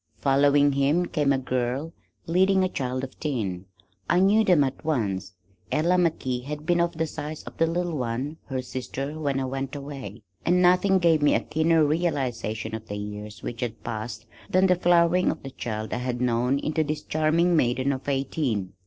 Following him came a young girl leading a child of ten. I knew them at once. Ella McKee had been of the size of the little one, her sister, when I went away, and nothing gave me a keener realization of the years which had passed than the flowering of the child I had known into this charming maiden of eighteen.